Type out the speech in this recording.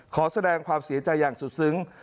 ขอแสดงความเสียใจอย่างสุดซึ้ง